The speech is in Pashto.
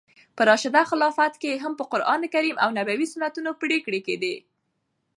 په راشده خلافت کښي هم پر قرانکریم او نبوي سنتو پرېکړي کېدې.